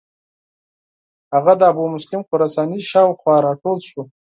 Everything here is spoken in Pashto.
هغه د ابومسلم خراساني شاو خوا را ټول شو.